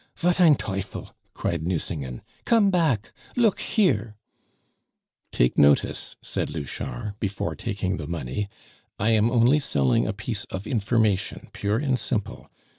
"Wat ein teufel!" cried Nucingen. "Come back look here " "Take notice," said Louchard, before taking the money, "I am only selling a piece of information, pure and simple.